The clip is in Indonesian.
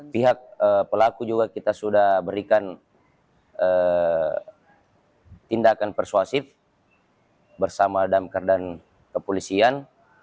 pihak pelaku juga kita sudah berikan tindakan persuasif bersama damkar dan kepolisian